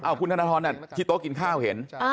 อ้าวคุณธนทรณ์น่ะที่โต๊ะกินข้าวเห็น